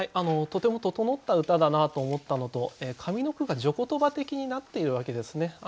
とても整った歌だなと思ったのと上の句が序ことば的になっているわけですね。